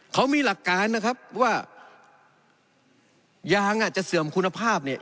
เขามีหลักการนะครับว่ายางอาจจะเสื่อมคุณภาพเนี่ย